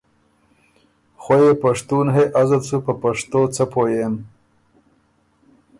خوئ يې پشتُون هې ازت سُو په پشتو څۀ پوهئېم